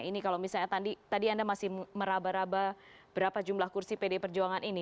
ini kalau misalnya tadi anda masih meraba raba berapa jumlah kursi pd perjuangan ini